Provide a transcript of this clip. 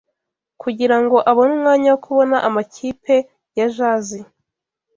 kugira ngo abone umwanya wo kubona amakipe ya jazi